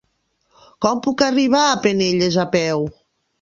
Com puc arribar a Penelles a peu?